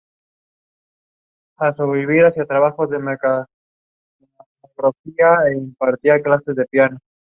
Michael inclusive resultó campeón con los escuadrones de Barrio Peralta y Fuerza y Luz.